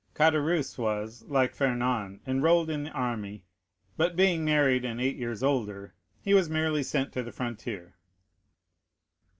Caderousse was, like Fernand, enrolled in the army, but, being married and eight years older, he was merely sent to the frontier.